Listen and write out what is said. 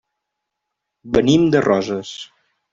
Venim de Roses.